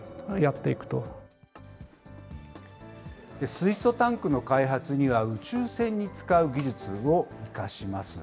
水素タンクの開発には、宇宙船に使う技術を生かします。